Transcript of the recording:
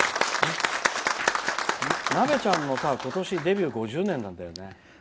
なべちゃんは今年はデビュー５０年なんだよね。